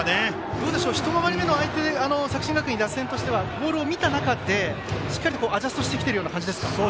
一回り目の作新学院の打線としてはボールを見た中で、しっかりとアジャストしている感じですか？